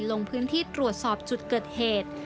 ลงพื้นที่ตรวจสอบจุดเกิดเหตุ